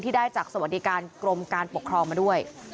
ได้จากสวัสดิการกรมการปกครองมาด้วย